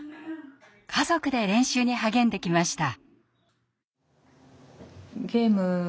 家族で練習に励んできました。